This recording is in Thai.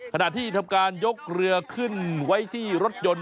ขณะที่ทำการยกเรือขึ้นไว้ที่รถยนต์